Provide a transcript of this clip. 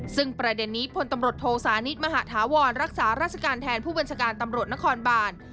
ซึ่งประเด็นนี้พลตำรวจโทสานิทมหาธาวรรักษาราชการแทนผู้บัญชาการตำรวจนครบาน